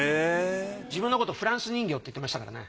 自分のことフランス人形って言ってましたからね。